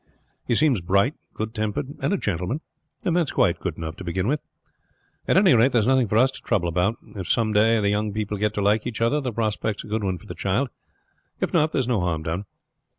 He seems bright, good tempered, and a gentleman. That is quite good enough to begin with. At any rate, there is nothing for us to trouble about. If some day the young people get to like each other the prospect is a good one for the child; if not, there's no harm done.